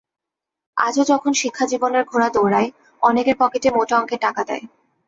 আজও যখন শিক্ষাজীবনের ঘোড়া দৌড়াই, অনেকে পকেটে মোটা অঙ্কের টাকা দেয়।